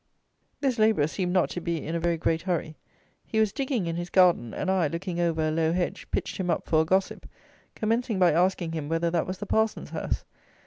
This labourer seemed not to be in a very great hurry. He was digging in his garden; and I, looking over a low hedge, pitched him up for a gossip, commencing by asking him whether that was the parson's house.